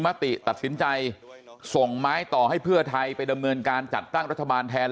มติตัดสินใจส่งไม้ต่อให้เพื่อไทยไปดำเนินการจัดตั้งรัฐบาลแทน